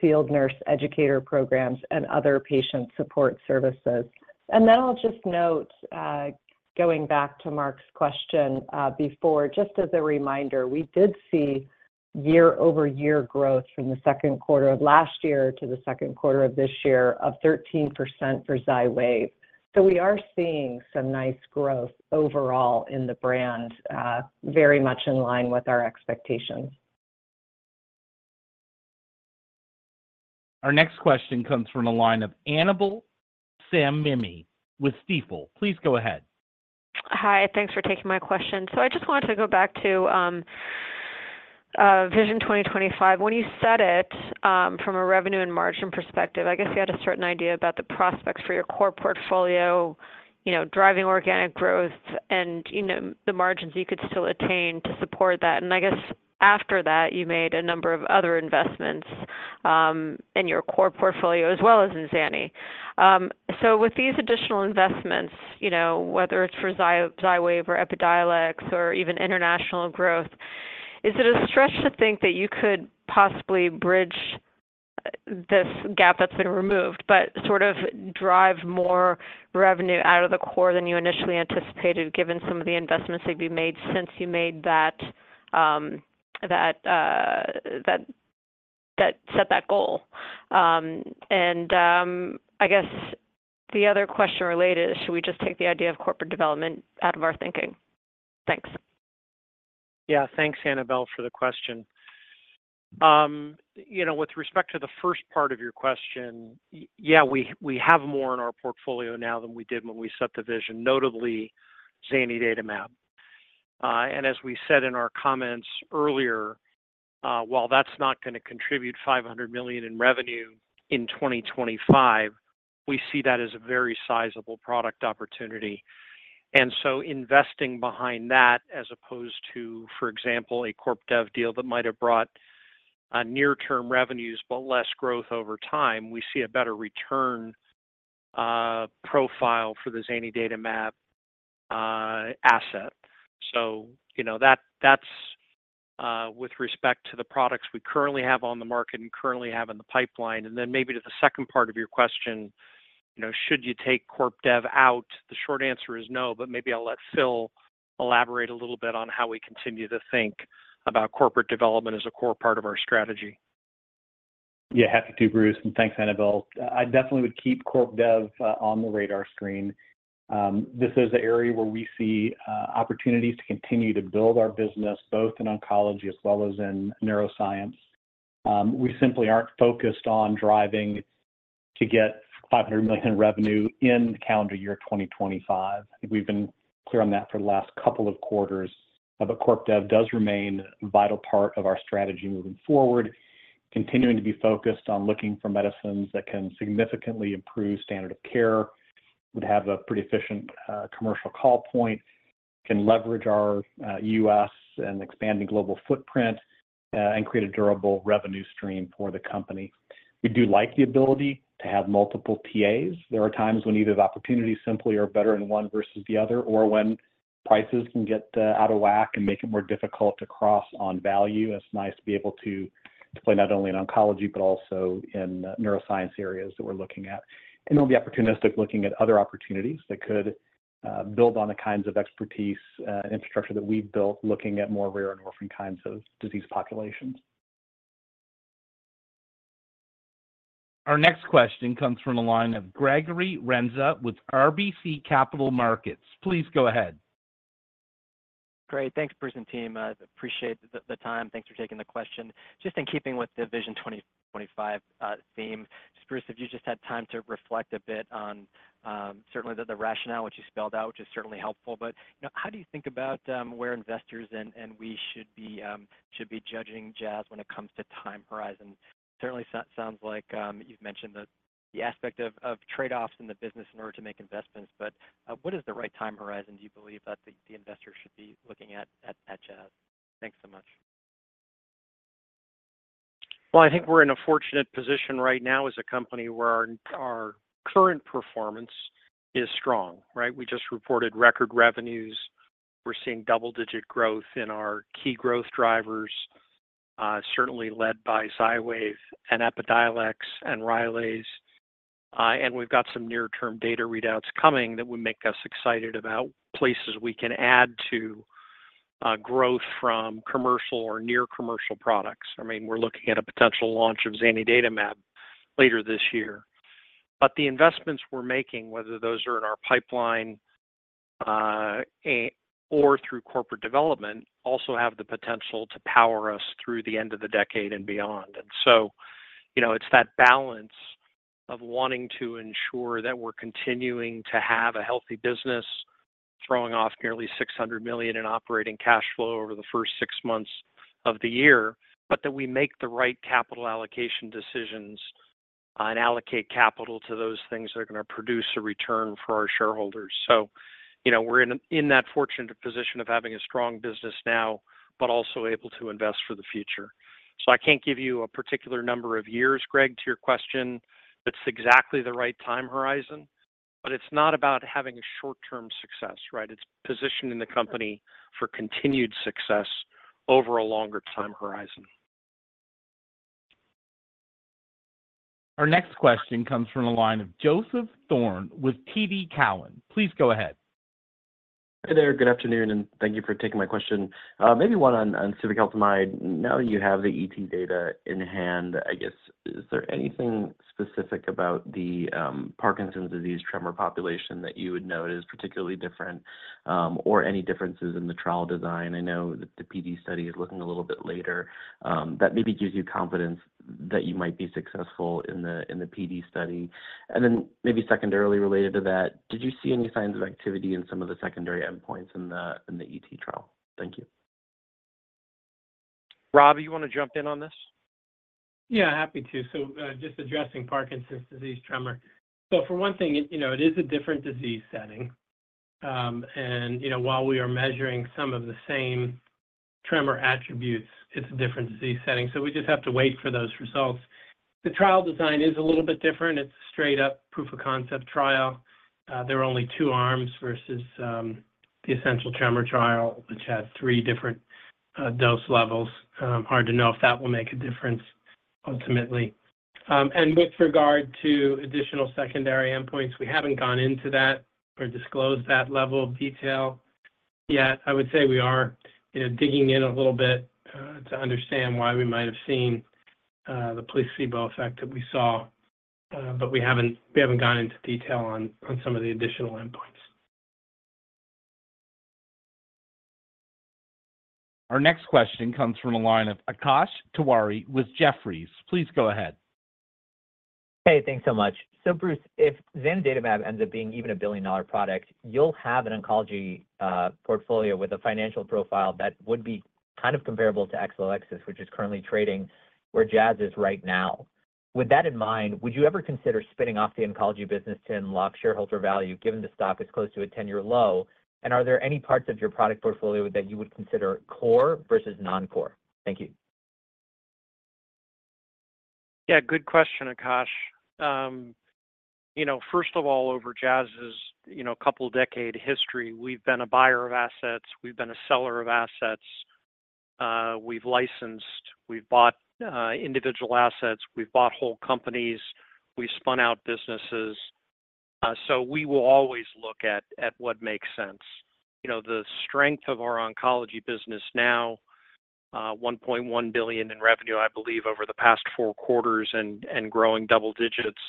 field nurse educator programs and other patient support services. And then I'll just note, going back to Mark's question before, just as a reminder, we did see year-over-year growth from the Q2 of last year to the Q2 of this year of 13% for Xywav. So we are seeing some nice growth overall in the brand, very much in line with our expectations. Our next question comes from the line of Annabel Samimy with Stifel. Please go ahead. Hi. Thanks for taking my question. So I just wanted to go back to Vision 2025. When you said it from a revenue and margin perspective, I guess you had a certain idea about the prospects for your core portfolio, driving organic growth and the margins you could still attain to support that. And I guess after that, you made a number of other investments in your core portfolio as well as in Zanidatamab. So with these additional investments, whether it's for Xywav or Epidiolex or even international growth, is it a stretch to think that you could possibly bridge this gap that's been removed, but sort of drive more revenue out of the core than you initially anticipated, given some of the investments that you made since you made that set that goal? I guess the other question related is, should we just take the idea of corporate development out of our thinking? Thanks. Yeah. Thanks, Annabel, for the question. With respect to the first part of your question, yeah, we have more in our portfolio now than we did when we set the vision, notably Zanidatamab. And as we said in our comments earlier, while that's not going to contribute $500 million in revenue in 2025, we see that as a very sizable product opportunity. And so investing behind that, as opposed to, for example, a Corp Dev deal that might have brought near-term revenues but less growth over time, we see a better return profile for the zanidatamab asset. So that's with respect to the products we currently have on the market and currently have in the pipeline. And then maybe to the second part of your question, should you take Corp Dev out? The short answer is no, but maybe I'll let Phil elaborate a little bit on how we continue to think about corporate development as a core part of our strategy. Yeah. Happy to, Bruce. And thanks, Annabel. I definitely would keep Corp Dev on the radar screen. This is an area where we see opportunities to continue to build our business, both in oncology as well as in neuroscience. We simply aren't focused on driving to get $500 million in revenue in calendar year 2025. I think we've been clear on that for the last couple of quarters, but Corp Dev does remain a vital part of our strategy moving forward, continuing to be focused on looking for medicines that can significantly improve standard of care, would have a pretty efficient commercial call point, can leverage our U.S. and expanding global footprint, and create a durable revenue stream for the company. We do like the ability to have multiple PAs. There are times when either the opportunities simply are better in one versus the other, or when prices can get out of whack and make it more difficult to cross on value. It's nice to be able to play not only in oncology but also in neuroscience areas that we're looking at. We'll be opportunistic looking at other opportunities that could build on the kinds of expertise and infrastructure that we've built looking at more rare and orphan kinds of disease populations. Our next question comes from the line of Gregory Renza with RBC Capital Markets. Please go ahead. Great. Thanks, Bruce and team. I appreciate the time. Thanks for taking the question. Just in keeping with the Vision 2025 theme, Bruce, have you just had time to reflect a bit on certainly the rationale which you spelled out, which is certainly helpful, but how do you think about where investors and we should be judging Jazz when it comes to time horizon? Certainly, it sounds like you've mentioned the aspect of trade-offs in the business in order to make investments, but what is the right time horizon, do you believe, that the investor should be looking at Jazz? Thanks so much. Well, I think we're in a fortunate position right now as a company where our current performance is strong, right? We just reported record revenues. We're seeing double-digit growth in our key growth drivers, certainly led by Xywav and Epidiolex and Rylaze. And we've got some near-term data readouts coming that would make us excited about places we can add to growth from commercial or near-commercial products. I mean, we're looking at a potential launch of Zanidatamab later this year. But the investments we're making, whether those are in our pipeline or through corporate development, also have the potential to power us through the end of the decade and beyond. So it's that balance of wanting to ensure that we're continuing to have a healthy business, throwing off nearly $600 million in operating cash flow over the first six months of the year, but that we make the right capital allocation decisions and allocate capital to those things that are going to produce a return for our shareholders. We're in that fortunate position of having a strong business now, but also able to invest for the future. I can't give you a particular number of years, Greg, to your question. It's exactly the right time horizon, but it's not about having a short-term success, right? It's positioning the company for continued success over a longer time horizon. Our next question comes from the line of Joseph Thome with TD Cowen. Please go ahead. Hi there. Good afternoon, and thank you for taking my question. Maybe one on suvecaltamide. Now that you have the ET data in hand, I guess, is there anything specific about the Parkinson's disease tremor population that you would note as particularly different or any differences in the trial design? I know that the PD study is looking a little bit later. That maybe gives you confidence that you might be successful in the PD study. And then maybe secondarily related to that, did you see any signs of activity in some of the secondary endpoints in the ET trial? Thank you. Rob, you want to jump in on this? Yeah. Happy to. So just addressing Parkinson's disease tremor. So for one thing, it is a different disease setting. And while we are measuring some of the same tremor attributes, it's a different disease setting. So we just have to wait for those results. The trial design is a little bit different. It's a straight-up proof of concept trial. There are only two arms versus the essential tremor trial, which had three different dose levels. Hard to know if that will make a difference ultimately. And with regard to additional secondary endpoints, we haven't gone into that or disclosed that level of detail yet. I would say we are digging in a little bit to understand why we might have seen the placebo effect that we saw, but we haven't gone into detail on some of the additional endpoints. Our next question comes from the line of Akash Tewari with Jefferies. Please go ahead. Hey. Thanks so much. So Bruce, if Zanidatamab ends up being even a billion-dollar product, you'll have an oncology portfolio with a financial profile that would be kind of comparable to Exelixis, which is currently trading where Jazz is right now. With that in mind, would you ever consider spinning off the oncology business to unlock shareholder value given the stock is close to a 10-year low? And are there any parts of your product portfolio that you would consider core versus non-core? Thank you. Yeah. Good question, Akash. First of all, over Jazz's couple-decade history, we've been a buyer of assets. We've been a seller of assets. We've licensed. We've bought individual assets. We've bought whole companies. We've spun out businesses. So we will always look at what makes sense. The strength of our oncology business now, $1.1 billion in revenue, I believe, over the past four quarters and growing double digits,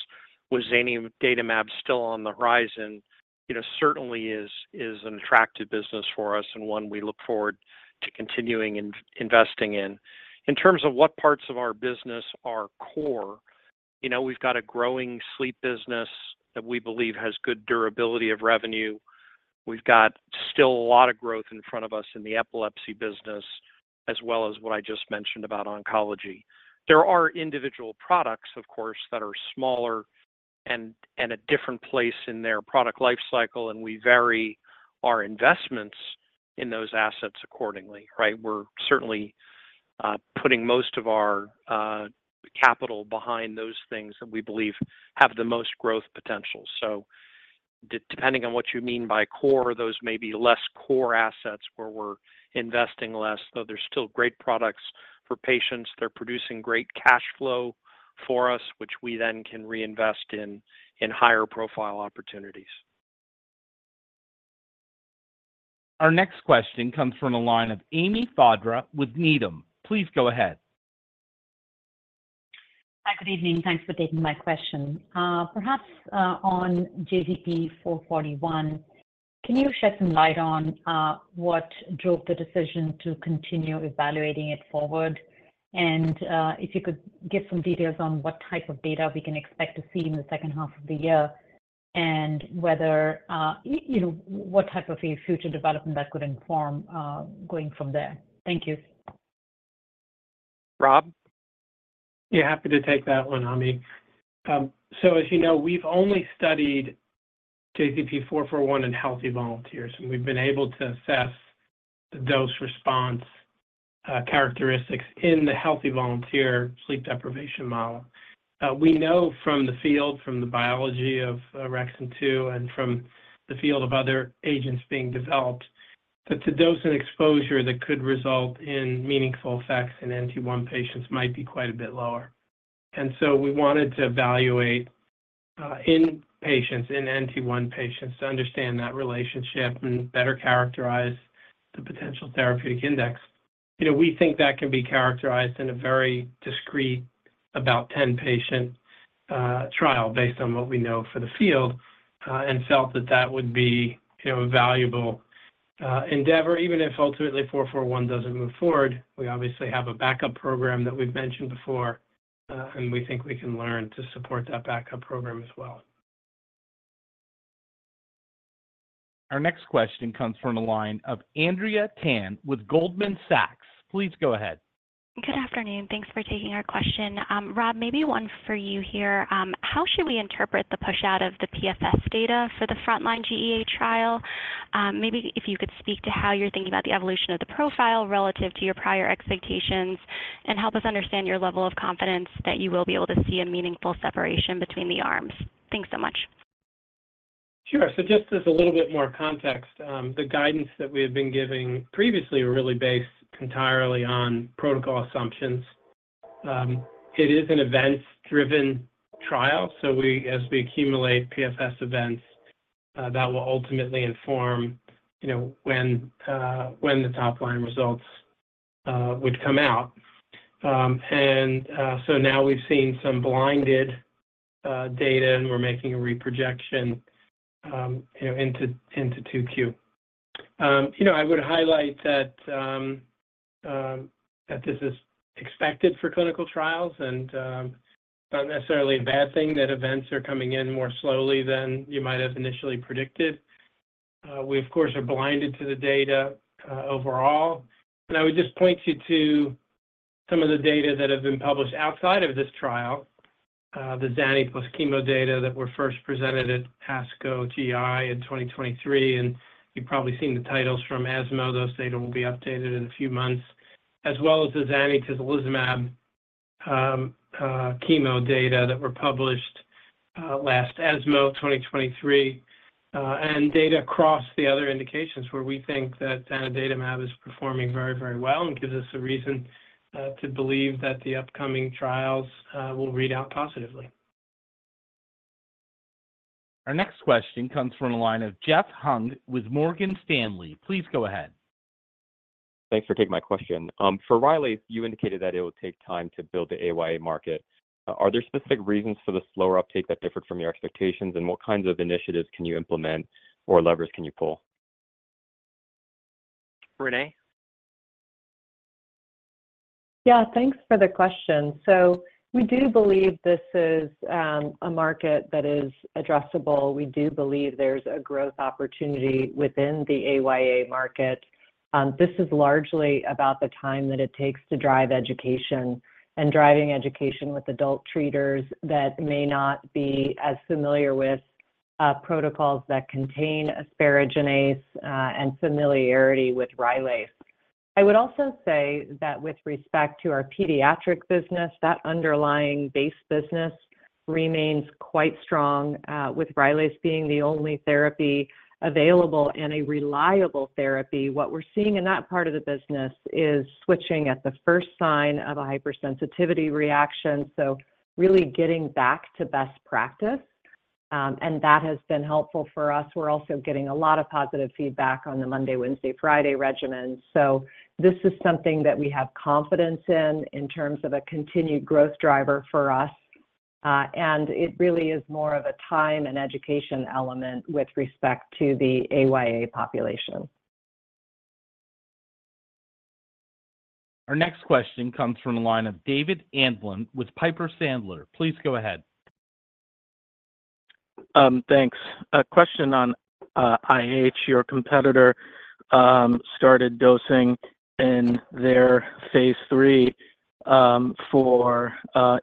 with Zanidatamab still on the horizon, certainly is an attractive business for us and one we look forward to continuing investing in. In terms of what parts of our business are core, we've got a growing sleep business that we believe has good durability of revenue. We've got still a lot of growth in front of us in the epilepsy business, as well as what I just mentioned about oncology. There are individual products, of course, that are smaller and a different place in their product lifecycle, and we vary our investments in those assets accordingly, right? We're certainly putting most of our capital behind those things that we believe have the most growth potential. So depending on what you mean by core, those may be less core assets where we're investing less, though there's still great products for patients. They're producing great cash flow for us, which we then can reinvest in higher profile opportunities. Our next question comes from the line of Ami Fadia with Needham. Please go ahead. Hi. Good evening. Thanks for taking my question. Perhaps on JZP441, can you shed some light on what drove the decision to continue evaluating it forward? And if you could give some details on what type of data we can expect to see in the second half of the year and what type of future development that could inform going from there. Thank you. Rob? Yeah. Happy to take that one, Ami. So as you know, we've only studied JZP441 in healthy volunteers, and we've been able to assess the dose response characteristics in the healthy volunteer sleep deprivation model. We know from the field, from the biology of orexin-2 and from the field of other agents being developed, that the dose and exposure that could result in meaningful effects in NT1 patients might be quite a bit lower. And so we wanted to evaluate in patients, in NT1 patients, to understand that relationship and better characterize the potential therapeutic index. We think that can be characterized in a very discrete about 10-patient trial based on what we know for the field and felt that that would be a valuable endeavor, even if ultimately 441 doesn't move forward. We obviously have a backup program that we've mentioned before, and we think we can learn to support that backup program as well. Our next question comes from the line of Andrea Tan with Goldman Sachs. Please go ahead. Good afternoon. Thanks for taking our question. Rob, maybe one for you here. How should we interpret the push-out of the PFS data for the frontline GEA trial? Maybe if you could speak to how you're thinking about the evolution of the profile relative to your prior expectations and help us understand your level of confidence that you will be able to see a meaningful separation between the arms. Thanks so much. Sure. So just as a little bit more context, the guidance that we have been giving previously really based entirely on protocol assumptions. It is an event-driven trial, so as we accumulate PFS events, that will ultimately inform when the top-line results would come out. And so now we've seen some blinded data, and we're making a reprojection into 2Q. I would highlight that this is expected for clinical trials and not necessarily a bad thing that events are coming in more slowly than you might have initially predicted. We, of course, are blinded to the data overall. And I would just point you to some of the data that have been published outside of this trial, the zanidatamab plus chemo data that were first presented at ASCO GI in 2023. And you've probably seen the titles from ESMO. Those data will be updated in a few months, as well as the zanidatamab tislelizumab chemo data that were published last ESMO 2023 and data across the other indications where we think that zanidatamab is performing very, very well and gives us a reason to believe that the upcoming trials will read out positively. Our next question comes from the line of Jeff Hung with Morgan Stanley. Please go ahead. Thanks for taking my question. For Rylaze's, you indicated that it would take time to build the AYA market. Are there specific reasons for the slower uptake that differed from your expectations, and what kinds of initiatives can you implement or levers can you pull? Renee? Yeah. Thanks for the question. So we do believe this is a market that is addressable. We do believe there's a growth opportunity within the AYA market. This is largely about the time that it takes to drive education and driving education with adult treaters that may not be as familiar with protocols that contain asparaginase and familiarity with Rylaze. would also say that with respect to our pediatric business, that underlying base business remains quite strong with Rylaze being the only therapy available and a reliable therapy. What we're seeing in that part of the business is switching at the first sign of a hypersensitivity reaction, so really getting back to best practice. And that has been helpful for us. We're also getting a lot of positive feedback on the Monday, Wednesday, Friday regimens. This is something that we have confidence in in terms of a continued growth driver for us. It really is more of a time and education element with respect to the AYA population. Our next question comes from the line of David Amsellem with Piper Sandler. Please go ahead. Thanks. Question on IH, your competitor started dosing in their phase three for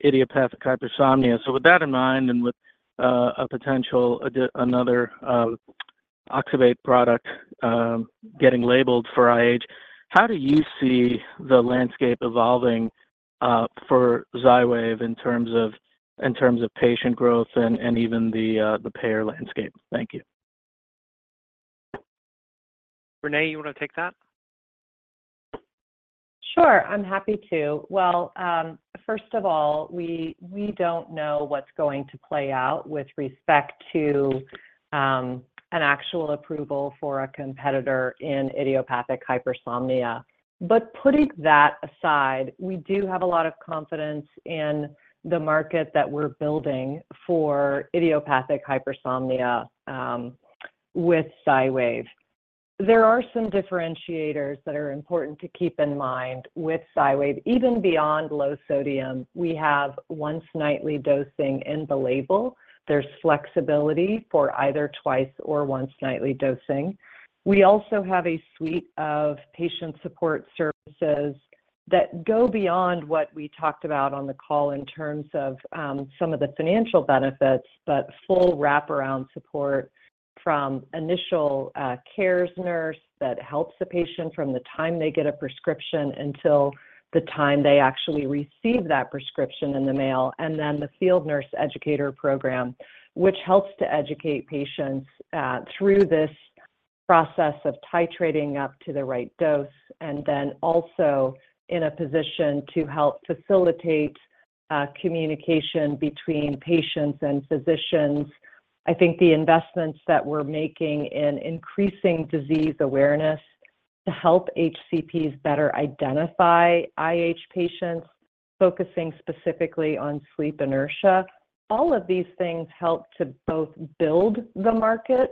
idiopathic hypersomnia. So with that in mind and with a potential another oxybate product getting labeled for IH, how do you see the landscape evolving for Xywav in terms of patient growth and even the payer landscape? Thank you. Renee, you want to take that? Sure. I'm happy to. Well, first of all, we don't know what's going to play out with respect to an actual approval for a competitor in idiopathic hypersomnia. But putting that aside, we do have a lot of confidence in the market that we're building for idiopathic hypersomnia with Xywav. There are some differentiators that are important to keep in mind with Xywav. Even beyond low sodium, we have once nightly dosing in the label. There's flexibility for either twice or once nightly dosing. We also have a suite of patient support services that go beyond what we talked about on the call in terms of some of the financial benefits, but full wraparound support from initial care nurse that helps the patient from the time they get a prescription until the time they actually receive that prescription in the mail, and then the field nurse educator program, which helps to educate patients through this process of titrating up to the right dose, and then also in a position to help facilitate communication between patients and physicians. I think the investments that we're making in increasing disease awareness to help HCPs better identify IH patients, focusing specifically on sleep inertia, all of these things help to both build the market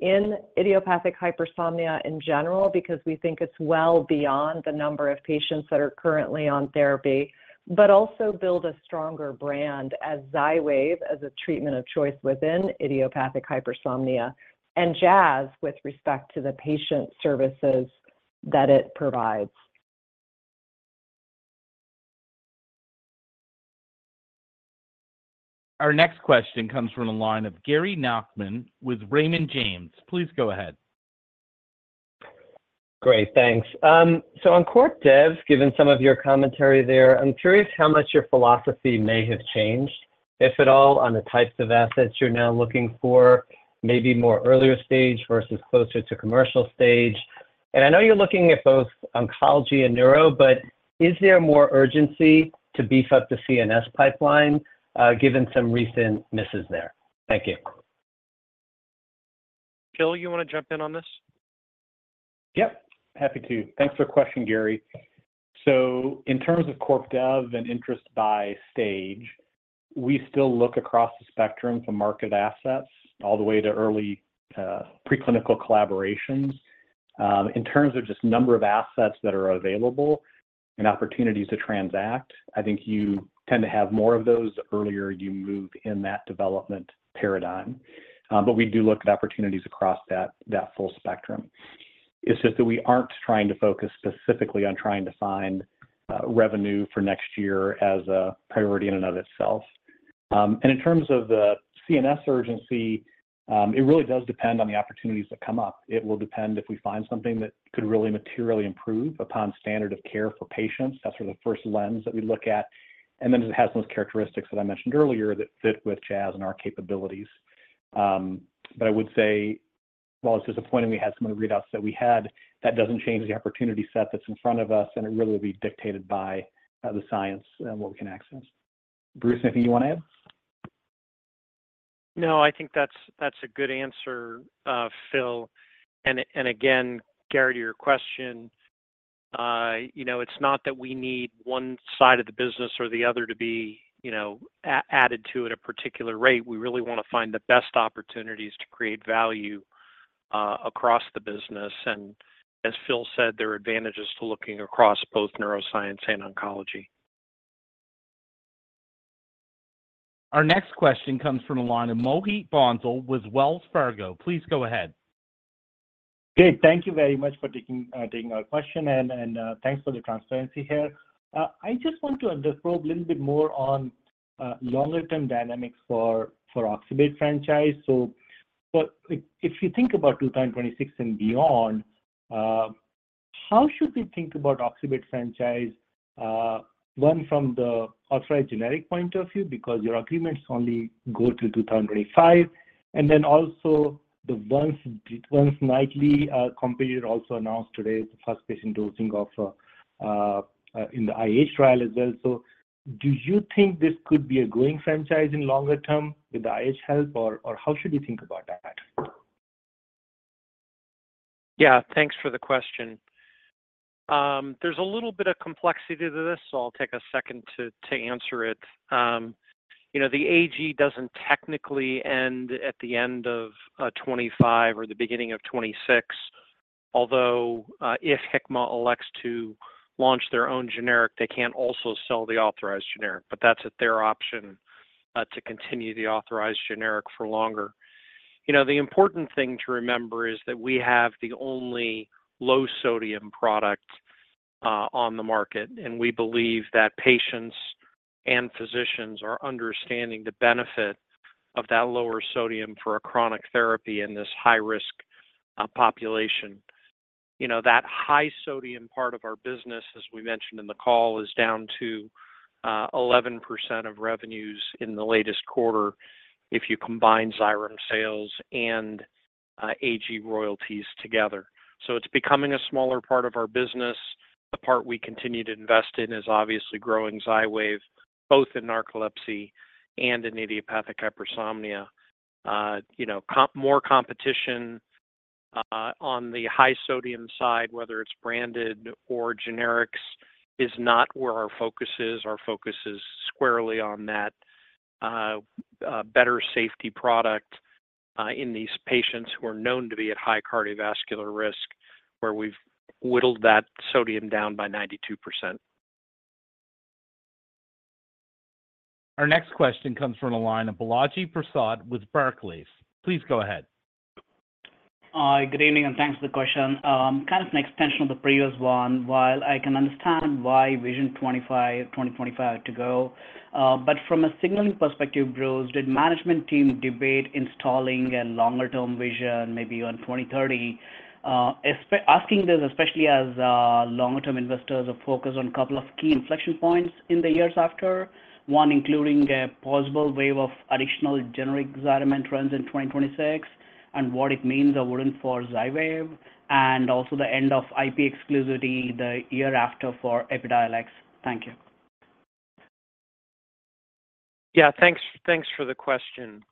in idiopathic hypersomnia in general because we think it's well beyond the number of patients that are currently on therapy, but also build a stronger brand as Xywav as a treatment of choice within idiopathic hypersomnia and Jazz with respect to the patient services that it provides. Our next question comes from the line of Gary Nachman with Raymond James. Please go ahead. Great. Thanks. So on Corp Dev, given some of your commentary there, I'm curious how much your philosophy may have changed, if at all, on the types of assets you're now looking for, maybe more earlier stage versus closer to commercial stage. And I know you're looking at both oncology and neuro, but is there more urgency to beef up the CNS pipeline given some recent misses there? Thank you. Phil, you want to jump in on this? Yep. Happy to. Thanks for the question, Gary. In terms of Corp Dev and interest by stage, we still look across the spectrum from marketed assets all the way to early preclinical collaborations. In terms of just number of assets that are available and opportunities to transact, I think you tend to have more of those the earlier you move in that development paradigm. We do look at opportunities across that full spectrum. It's just that we aren't trying to focus specifically on trying to find revenue for next year as a priority in and of itself. In terms of the CNS urgency, it really does depend on the opportunities that come up. It will depend if we find something that could really materially improve upon standard of care for patients. That's sort of the first lens that we look at. And then it has those characteristics that I mentioned earlier that fit with Jazz and our capabilities. But I would say, while it's disappointing we had so many readouts that we had, that doesn't change the opportunity set that's in front of us, and it really will be dictated by the science and what we can access. Bruce, anything you want to add? No, I think that's a good answer, Phil. And again, Gary, to your question, it's not that we need one side of the business or the other to be added to at a particular rate. We really want to find the best opportunities to create value across the business. And as Phil said, there are advantages to looking across both neuroscience and oncology. Our next question comes from the line of Mohit Bansal with Wells Fargo. Please go ahead. Good. Thank you very much for taking our question, and thanks for the transparency here. I just want to probe a little bit more on longer-term dynamics for oxybate franchise. So if you think about 2026 and beyond, how should we think about oxybate franchise, one from the authorized generic point of view because your agreements only go till 2025? And then also the once nightly competitor also announced today the first patient dosing in the IH trial as well. So do you think this could be a going franchise in longer term with the IH help, or how should we think about that? Yeah. Thanks for the question. There's a little bit of complexity to this, so I'll take a second to answer it. The AG doesn't technically end at the end of 2025 or the beginning of 2026, although if Hikma elects to launch their own generic, they can't also sell the authorized generic, but that's their option to continue the authorized generic for longer. The important thing to remember is that we have the only low-sodium product on the market, and we believe that patients and physicians are understanding the benefit of that lower sodium for a chronic therapy in this high-risk population. That high-sodium part of our business, as we mentioned in the call, is down to 11% of revenues in the latest quarter if you combine Xyrem sales and AG royalties together. So it's becoming a smaller part of our business. The part we continue to invest in is obviously growing Xywav, both in narcolepsy and in idiopathic hypersomnia. More competition on the high-sodium side, whether it's branded or generics, is not where our focus is. Our focus is squarely on that better safety product in these patients who are known to be at high cardiovascular risk, where we've whittled that sodium down by 92%. Our next question comes from the line of Balaji Prasad with Barclays. Please go ahead. Hi. Good evening, and thanks for the question. Kind of an extension of the previous one. While I can understand why Vision 2025 had to go, but from a signaling perspective, Bruce, did the management team debate installing a longer-term vision maybe around 2030? Asking this especially as longer-term investors are focused on a couple of key inflection points in the years after, one including a possible wave of additional generic Xyrem entrants in 2026 and what it means or wouldn't for Xywav and also the end of IP exclusivity the year after for Epidiolex. Thank you. Yeah. Thanks for the question.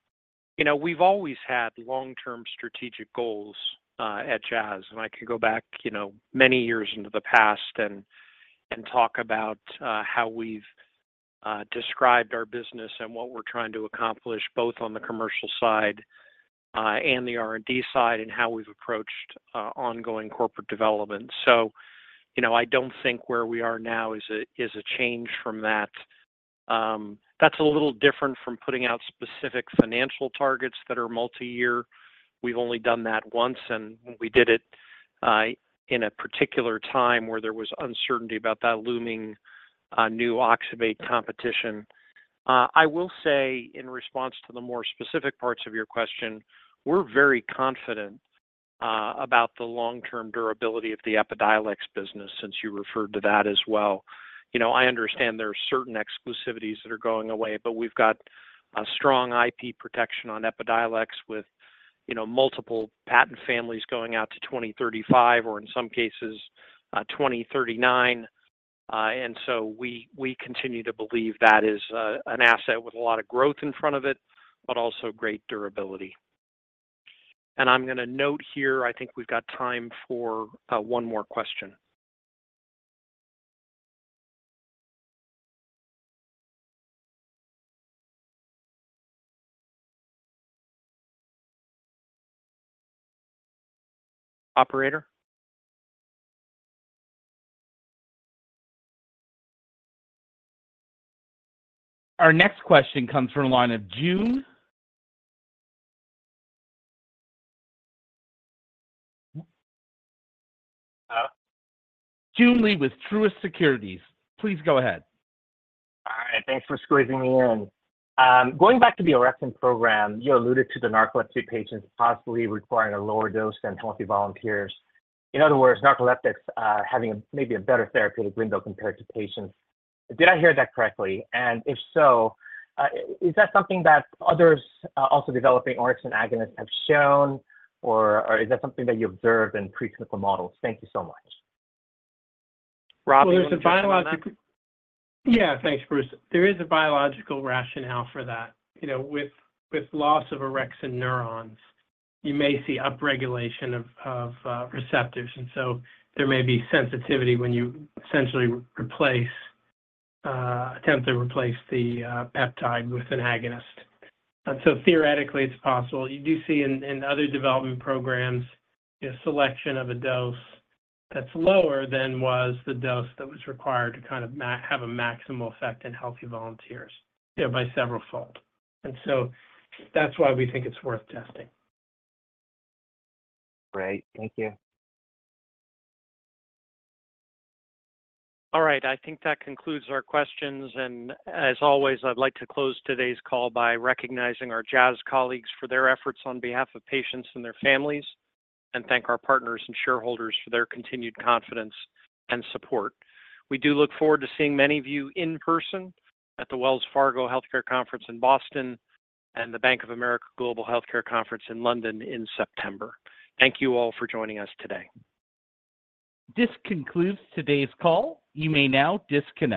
We've always had long-term strategic goals at Jazz, and I can go back many years into the past and talk about how we've described our business and what we're trying to accomplish both on the commercial side and the R&D side and how we've approached ongoing corporate development. So I don't think where we are now is a change from that. That's a little different from putting out specific financial targets that are multi-year. We've only done that once, and we did it in a particular time where there was uncertainty about that looming new oxybate competition. I will say in response to the more specific parts of your question, we're very confident about the long-term durability of the Epidiolex business since you referred to that as well. I understand there are certain exclusivities that are going away, but we've got strong IP protection on Epidiolex with multiple patent families going out to 2035 or in some cases 2039. And so we continue to believe that is an asset with a lot of growth in front of it, but also great durability. And I'm going to note here, I think we've got time for one more question. Operator? Our next question comes from the line of Joon. Hello? Joon Lee with Truist Securities. Please go ahead. All right. Thanks for squeezing me in. Going back to the orexin program, you alluded to the narcolepsy patients possibly requiring a lower dose than healthy volunteers. In other words, narcoleptics having maybe a better therapeutic window compared to patients. Did I hear that correctly? And if so, is that something that others also developing orexin agonists have shown, or is that something that you observed in preclinical models? Thank you so much. Rob, there's a biological. Yeah. Thanks, Bruce. There is a biological rationale for that. With loss of orexin neurons, you may see upregulation of receptors, and so there may be sensitivity when you essentially attempt to replace the peptide with an agonist. And so theoretically, it's possible. You do see in other development programs a selection of a dose that's lower than was the dose that was required to kind of have a maximal effect in healthy volunteers by several fold. And so that's why we think it's worth testing. Great. Thank you. All right. I think that concludes our questions. And as always, I'd like to close today's call by recognizing our Jazz colleagues for their efforts on behalf of patients and their families and thank our partners and shareholders for their continued confidence and support. We do look forward to seeing many of you in person at the Wells Fargo Healthcare Conference in Boston and the Bank of America Global Healthcare Conference in London in September. Thank you all for joining us today. This concludes today's call. You may now disconnect.